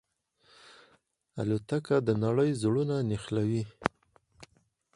الوتکه د نړۍ زړونه نښلوي.